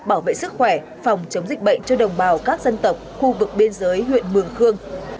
bảo vệ sức khỏe phòng chống dịch bệnh cho đồng bào các dân tộc khu vực biên giới huyện mường khương